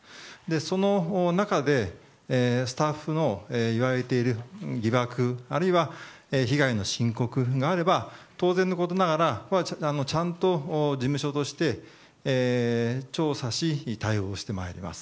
その中でスタッフのいわれている疑惑あるいは、被害の申告があれば当然のことながらちゃんと事務所として調査し、対応してまいります。